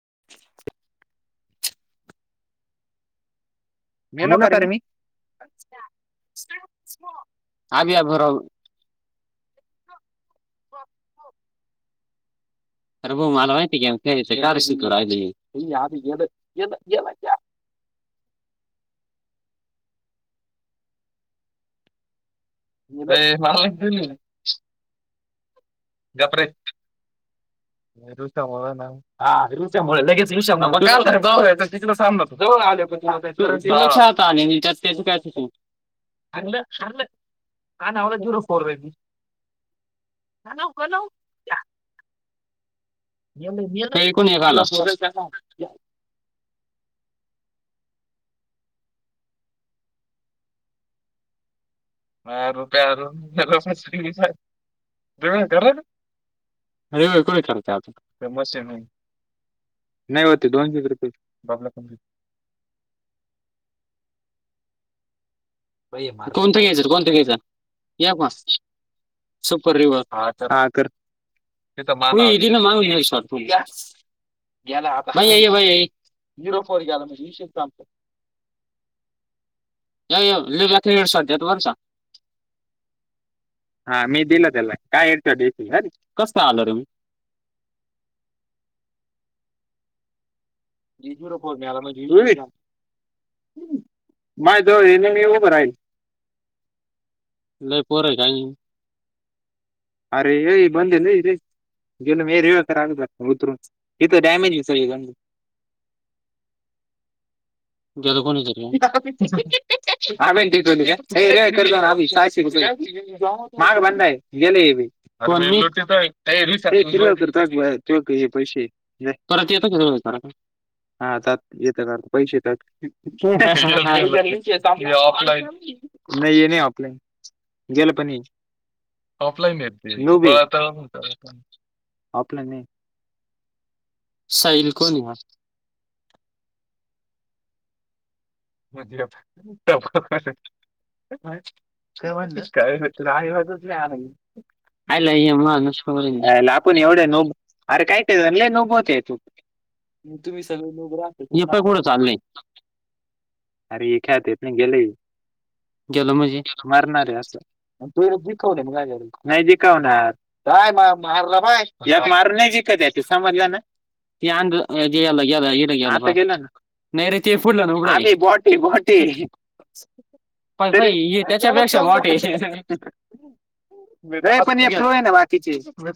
[inaudible] मेलो कारे मी. आम्ही आज भरालोय. अरे भाऊ मला माहीतीए की थोडस तर राहिले आहे. हे मला माहीतच नाही. गप रे, [unintelligible] हा ऋचा मुळे लगेच येवू शकला. जवळ येण्याची तुला काय गरज ए? तानी आणि च्याच [unintelligible] काय तू. हारलं हारलं, हा नावाला झीरो फोर याव का नव, या. एकूण एकाला मी आलो तयारी करू [unintelligible] अरे ख [unintelligible] खर आ म ह नाही होते दोनशे रुप बापला. कोणतं घ्यायचं कोणतं घ्यायचं [unintelligible] या पण सुपर रिवस हा तर हा तर. माू इडी ना माणूस ये श पू [unintelligible] गेला आताई हरोपर गेला म्हणजे [unintelligible] विशेष सबत अ ल व्याख साधत वर्ष [unintelligible] हा मी दिलं त्याला काय ए [unintelligible] कट दिव अर कस आल तुम्ही [inaudible] एजुरो फोर न्याला म ज [unintelligible] माय तो [unintelligible] नाही बई लेय पर आहे का [unintelligible] अरे ये बंदल [unintelligible] गेल हे रेव खरा उतरून ति [unintelligible] थ डॅमेज गेलो कोणी जल [unintelligible] हय माग बंद आहे गेल्वी [unintelligible] फिरात ते हे पैसे परत येत [unintelligible] सरा का. हा येत पैसेेत ऑलाईन [unintelligible] नाही ये नाही ऑपल. गेलं प ऑफलाईन य [unintelligible] ऑफलाईन साईल कोण हाय हा. ज [unintelligible] माहित नाही काय म्हणते [unintelligible] आयला म नयला आपण एवढे नो अरे काय का ल नोभोते तू [unintelligible] मग तुम्ही सगळे लोक राह कोड [unintelligible] चाललंय अरे एक ख्यात्याण गेली. गेल म्हणजे मरणार आहे [unintelligible] अस तू जिकवलं नाही जिकवणार. काय मारलं बाय या मारून नाही ज कत ते समजल्या ना. ते अ गे गे नाही रे ते फुडलं ना उघड. वाटे वाटे. पण र त्याच्यापेक्षा मोठे [unintelligible] नाही पण आहे ना बाकीचीन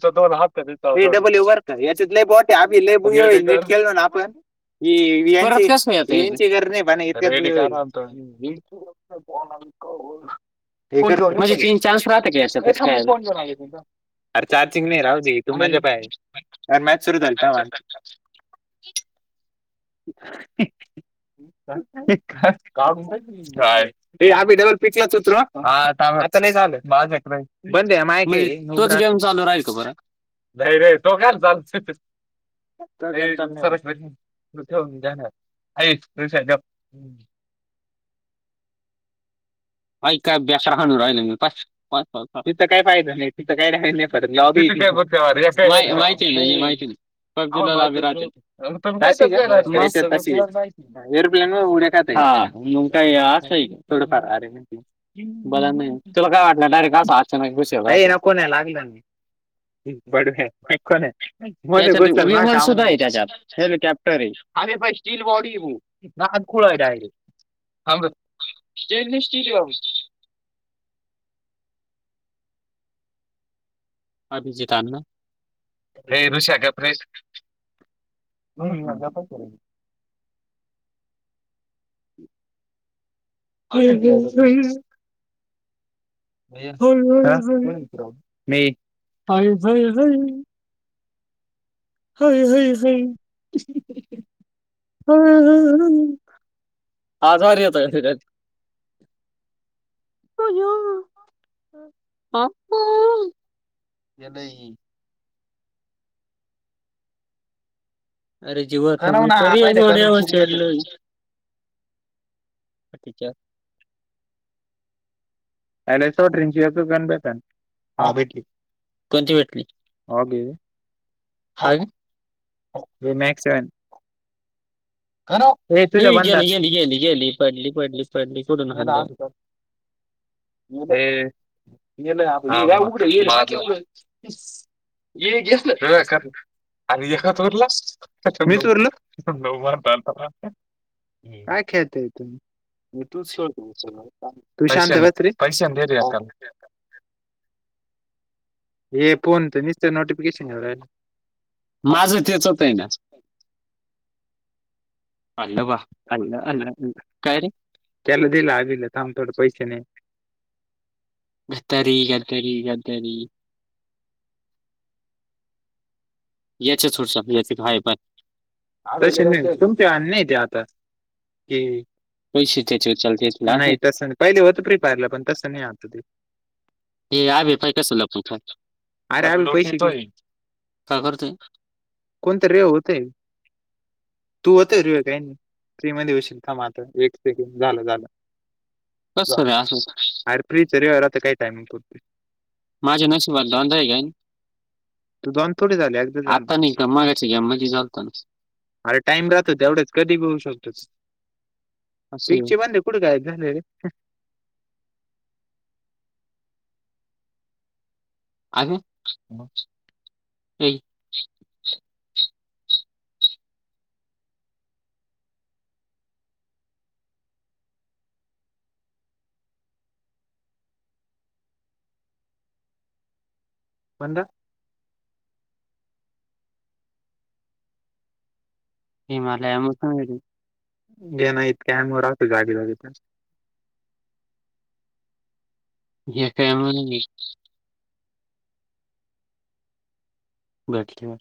डबल्यू वर [unintelligible] याच्यातपते नीट खेडलं तर आपण [unintelligible] इ [inaudible] [unintelligible] [inaudible] तीन चान्स राहते का अरे चार्जिंग नाही राहू दे तु झोप बाहेर मॅच सुरु झाली तेव्हा. ह [inaudible] हम्म. आी डबल पिकला तु्र आता नाही [inaudible] तोच गेम चालू राहील का बर [unintelligible] नाही रे तो कशाला चालू [unintelligible] जाणार आ त [inaudible] ह का अभ्यास राह राहिल मी तिथं काय फायदा नाही तिथं काय राय नाही [inaudible] काय माहिती नाही माहिती नाही [unintelligible] पबजीला लाभह एरोप्लेन उड्या खात [unintelligible] हा मग काय असं थोडं फार अरे. बला नाही तुला काय वाटलं डायरेक्ट अस अचानकसेल को लागलं. बड्यहार सुद्धा आहे विमान सुधा आहे त्याच्यात हेल कॅप्टर अरे स्टील बॉडी येव आ नादखुळा यरेां स्टील क रम [inaudible] हा बीजेता ना हे ऋषगपे रे होपय कर [inaudible] हम ह ह हो म [inaudible] पा [unintelligible] हो [unintelligible] आधार येतो तिथे होयो ह ये [inaudible] अरे जीव [unintelligible] अतिच्या लेस टिंचीिस गन बेटन हा भी [inaudible] ट हगे [inaudible] मॅक् सेव्हन गेली गेली गेली गेली पडली पडली पडली कुठून ह [unintelligible] येेतलं कर आणि ए चोरला मी चोरलाार ह खेत य त [inaudible] तू पै पैसे [unintelligible] हे फोन पे [unintelligible] म नोटिफिकेशन वग माझं तेच होते आहे ना खाल्ल बा खाल्ल खाल्ल काय रे त्याला दिली आजिने थांब थोडे पैसे नाही गतरी गतरी गतरी [inaudible] याच्या थरच्या याचे हाय बाय प्रश नाही तुमच्या नाही ते आता कि पैसे त्याचीचल नाही पहिले होत फि पालं पण तस नाही आ ते आ भेपय कसो लपू काय करतेय कोणत रेव होते तू होत र त्री म होशील का मता एक सेटन झालं झालं कस आरप्यावरता काय कारण तू माझ्या नशिबात डाउट आहे काय तु दाॅन कुठे झालं आता त्या मागाच्या गेम मधी झालत ना अरे टाइम राहतो एवढंच कधी घेऊ शकतो पाचशे तेच वांदे है कुटं काय झालय ए हं आले मग. ते पण मग घे ना इत कायम उभा राहतोय जागी जागी तर घे टाईमच घे बस की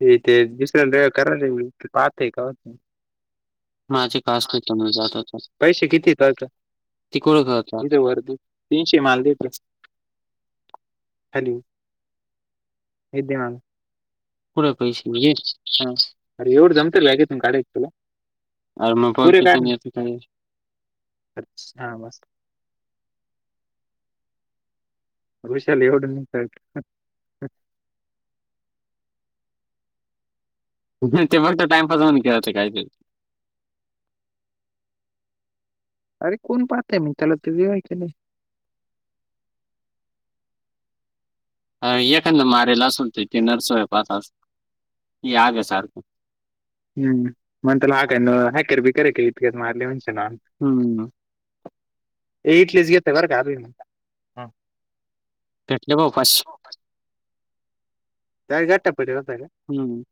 ते ते बिसलरी तयार करालेत तिथं असतय काय माझे पाच टक्केनी जातेत पैसे किती पैसे तिकडून घ्यायचय न ते वरती तीनशे माल देतील हॅलो हे द्या न [unintelligible] अरे एवढं जमत बॅगेतून काढायच तुला. पुरे काय? हा बास. अरे विशाल एवढं नटायला, हा हा. जे ते म्हणतो, टाइमपास म्हणून खेळायचं काय ते? अरे कोण पाहतंय? मी त्याला ते वेळ हाय की नाय? अ एखांद मारेला असुंदे, ते नरसाळ पाहत अस याग सारखं हम्म, [unintelligible] हम्म. त या इथलेच घेतं बर का [unintelligible] हा घेतले बाबा पाचशे. काय घट्टा पडीला व्हता का? हम्म. ह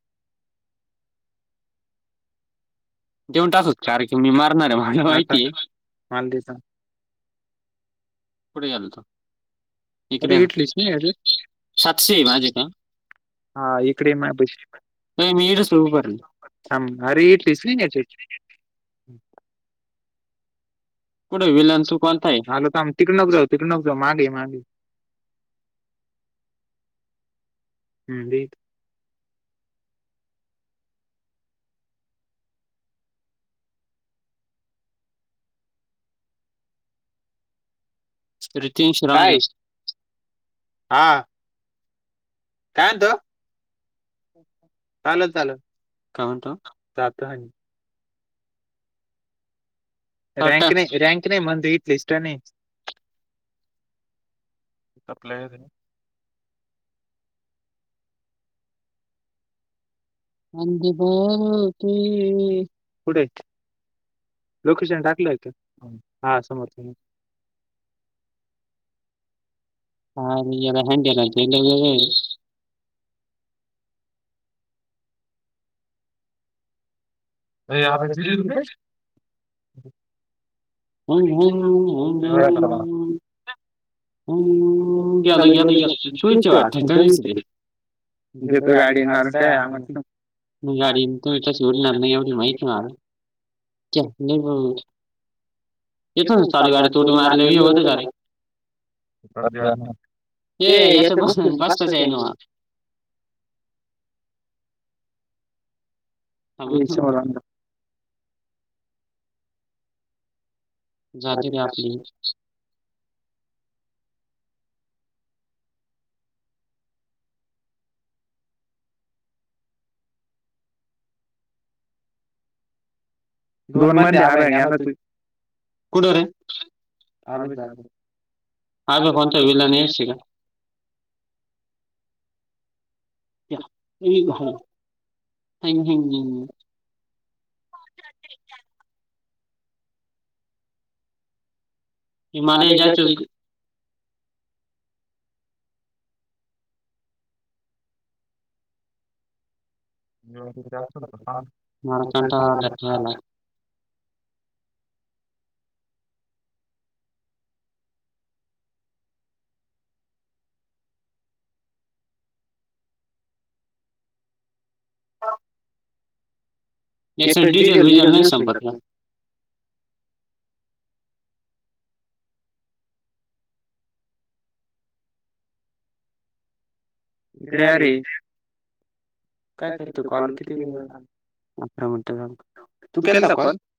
दोन तासात चारएक मी मारणार हाय मला माहिती आहे. आण दे सार पुढे यालतो. इथन्यान कीती हाय रे? सातशे माझे त. हा इकडे म्हणतेत, न्हाय मी एकच सुरू कर. थांब, भारी घे पीस. कुणाचेच कुठय विलन सु कोणतय? आम्ही थांबतो की मग, [unintelligible] की मग मांडी मांडी. अ हं लेट रितेश रॉय. हा. काय हुतं? चालत चालत, काय म्हणतो? जातो आहे. रंग न्हाय, रँक न्हाय, म ती इटलीस्टन हाय. टपलया ते. आमची [unintelligible] कुठं हाय? लोकेशन टाकलंय की, हा समजतय मग. ह हा आणि हेला हॅन्डल हाय की नवीन हे? ए आ [unintelligible] रुपये. [unintelligible] गेला गेला गेला [unintelligible] उगीच गाडी मारताय आमची. म गाडी तू इथं सोडणार नाही, एवढ माहित माल. कीतनी बुलट? इथून चालू गाडी थोडी मारली, ही होती गाडी. [unintelligible] ते या शेतात बसताच येई न्हवं. अअअअ [unintelligible] झालं की आपली ही. दोन म्हणंडे आज येणार होतीत. कुट रे? आजच झालं. ह बे फोन ते दिला नाहीस तिला. [unintelligible] [unintelligible] हिमालयला चल क. दोन तीन तास चालतं काम. [unintelligible] हो. येथं डिझेल बिझेल नसतंय का तर? इकडे या रे अ काय करते कॉल किती वेळ माहित नाही म्हणता तू केलता कॉल